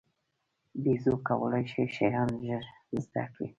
بیزو کولای شي شیان ژر زده کړي.